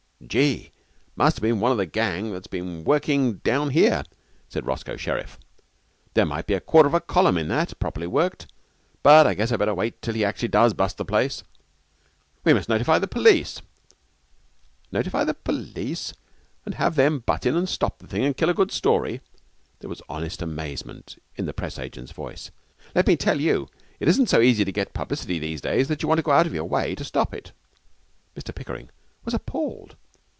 'Gee! Must have been one of the gang that's been working down here,' said Roscoe Sherriff. 'There might be a quarter of a column in that, properly worked, but I guess I'd better wait until he actually does bust the place.' 'We must notify the police!' 'Notify the police, and have them butt in and stop the thing and kill a good story!' There was honest amazement in the Press agent's voice. 'Let me tell you, it isn't so easy to get publicity these days that you want to go out of your way to stop it!' Mr Pickering was appalled.